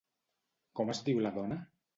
Com es diu la dona?